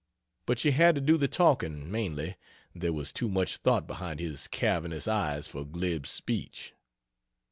But she had to do the talking mainly there was too much thought behind his cavernous eyes for glib speech.